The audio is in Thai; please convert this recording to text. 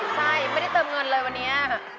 ใช่ไม่ได้เติมเงินเลยวันนี้